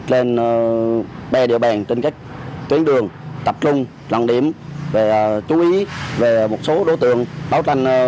lên ba địa bàn trên các tuyến đường tập trung lòng điểm chú ý về một số đối tượng báo tranh